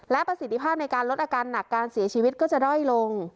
และประสิทธิภาพในการลดอาการหนักการเสียชีวิตก็จะด้อยลง